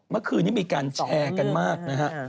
เมื่อคืนนี้มีการแชร์กันมากนะฮะ